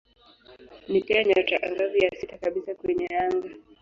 Ni pia nyota angavu ya sita kabisa kwenye anga.